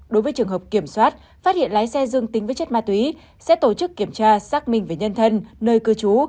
đối với trường hợp kiểm soát phát hiện lái xe dương tính với chất ma túy sẽ tổ chức kiểm tra xác minh về nhân thân nơi cư trú